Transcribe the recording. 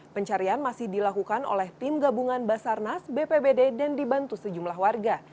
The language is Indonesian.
pencarian masih dilakukan oleh tim gabungan basarnas bpbd dan dibantu sejumlah warga